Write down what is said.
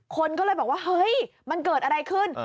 คนก็เลยบอกว่าเฮ้ยมันเกิดอะไรขึ้น